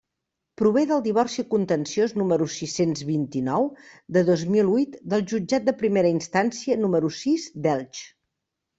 Prové del divorci contenciós número sis-cents vint-i-nou de dos mil huit del Jutjat de Primera Instància número sis d'Elx.